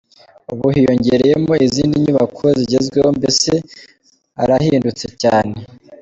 Ubu hiyongereyemo izindi nyubako zigezweho, mbese harahindutse cyane.